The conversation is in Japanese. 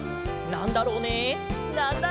なんだろうね？